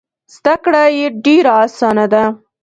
زده کړه یې ډېره اسانه ده.